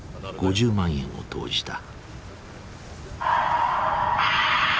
５０万円を投じた。